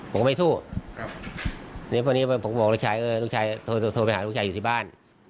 ผมก็ไม่สู้ผมก็บอกลูกชายโทรไปหาลูกชายอยู่ที่บ้าน